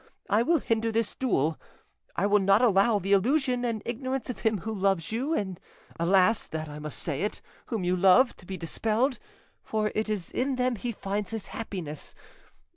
I will hinder this duel; I will not allow the illusion and ignorance of him who loves you and, alas that I must say it, whom you love, to be dispelled, for it is in them he finds his happiness.